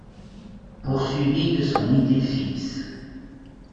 Poursuivi de son idée fixe.